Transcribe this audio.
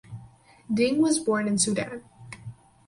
Deng was born in Sudan.